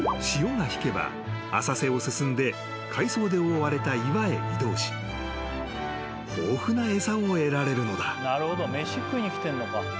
［潮が引けば浅瀬を進んで海藻で覆われた岩へ移動し豊富な餌を得られるのだ］